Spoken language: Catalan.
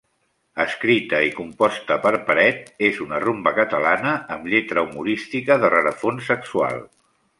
Escrita i composta per Peret, és una rumba catalana amb lletra humorística de rerefons sexual.